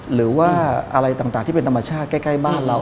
หรือว่าอะไรต่างที่เป็นธรรมชาติใกล้บ้านเรา